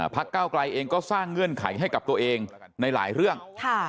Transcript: เก้าไกลเองก็สร้างเงื่อนไขให้กับตัวเองในหลายเรื่อง